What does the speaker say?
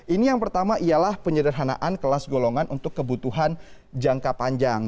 ini yang pertama ialah penyederhanaan kelas golongan untuk kebutuhan jangka panjang